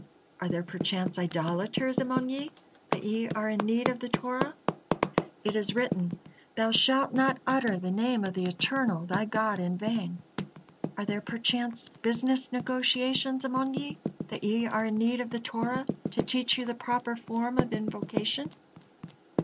Are there perchance idolaters among ye, that ye are in need of the Torah? It is written: 'Thou shalt not utter the name of the Eternal, thy God, in vain,' Are there perchance business negotiations among ye, that ye are in need of the Torah to teach you the proper form of invocation?